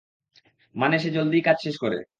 মানে, সে জলদিই কাজ শেষ করে।